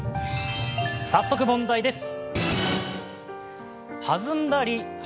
早速問題です。